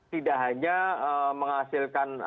tidak hanya menghasilkan